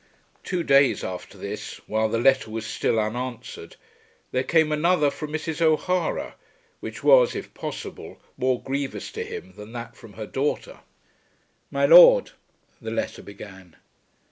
Two days after this, while the letter was still unanswered, there came another from Mrs. O'Hara which was, if possible, more grievous to him than that from her daughter. "My Lord," the letter began.